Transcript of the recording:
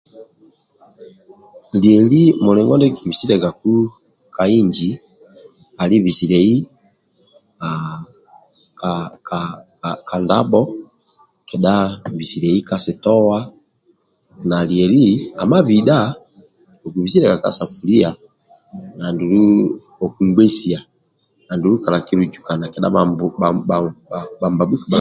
Lyeli mulingo ndie kikibisialiagaku ka inji ali bisiliai haaa ka ka ka ndabho kedha bisiliai ka sitowa na lyeli amabidbha okubisiliaga ka safulia andulu okungbesia andulu bhambambu kabha kabha